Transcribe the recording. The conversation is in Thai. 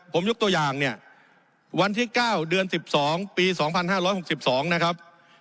ผมยกตัวอย่างเนี่ยวันที่เก้าเดือนสิบสองปีสองพันห้าร้อยหกสิบสองนะครับ